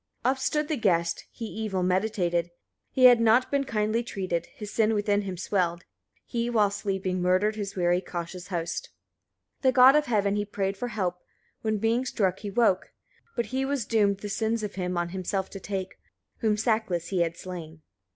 5. Up stood the guest, he evil meditated, he had not been kindly treated; his sin within him swelled, he while sleeping murdered his wary cautious host. 6. The God of heaven he prayed for help, when being struck he woke; but he was doomed the sins of him on himself to take, whom sackless he had slain. 7.